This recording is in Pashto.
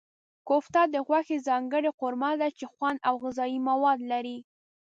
کوفته د غوښې ځانګړې قورمه ده چې خوند او غذايي مواد لري.